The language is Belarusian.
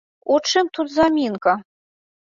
У чым тут замінка?